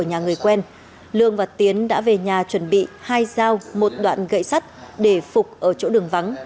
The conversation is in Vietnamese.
ở nhà người quen lương và tiến đã về nhà chuẩn bị hai dao một đoạn gậy sắt để phục ở chỗ đường vắng